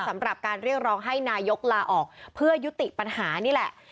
สำหรับการเรียกร้องให้นายกลาออกเพื่อยุติปัญหานี่แหละ